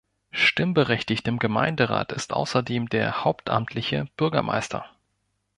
Stimmberechtigt im Gemeinderat ist außerdem der hauptamtliche Bürgermeister.